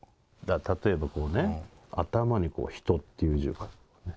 例えばこうね頭にこう「人」っていう字を書く。